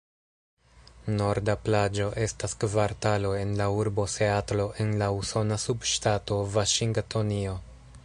Norda Plaĝo estas kvartalo en la urbo Seatlo en la usona subŝtato Vaŝingtonio.